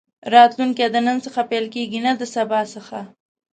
راتلونکی د نن څخه پيل کېږي نه د سبا څخه.